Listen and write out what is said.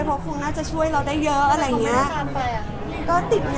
เพราะคงน่าจะช่วยเราได้เยอะอะไรอย่างนี้